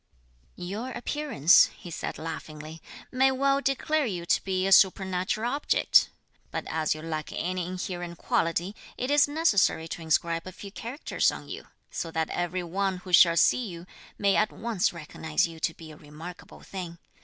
"Your appearance," he said laughingly, "may well declare you to be a supernatural object, but as you lack any inherent quality it is necessary to inscribe a few characters on you, so that every one who shall see you may at once recognise you to be a remarkable thing.